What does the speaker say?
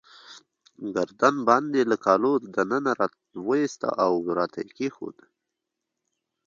ګردن بند يې له کالو له دننه راوایستی، او راته يې وښود.